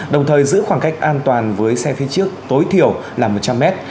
đồng thời giữ khoảng cách an toàn với xe phía trước tối thiểu là một trăm linh mét